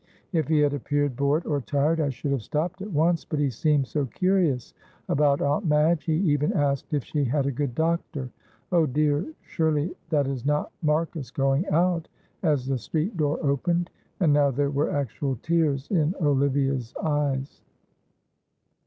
If he had appeared bored or tired I should have stopped at once, but he seemed so curious about Aunt Madge, he even asked if she had a good doctor. Oh, dear, surely that is not Marcus going out!" as the street door opened; and now there were actual tears in Olivia's eyes.